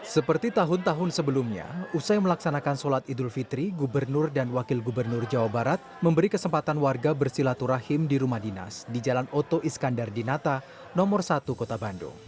seperti tahun tahun sebelumnya usai melaksanakan sholat idul fitri gubernur dan wakil gubernur jawa barat memberi kesempatan warga bersilaturahim di rumah dinas di jalan oto iskandar di nata nomor satu kota bandung